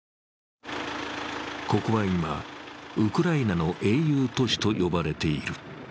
ここは今、ウクライナの英雄都市と呼ばれている。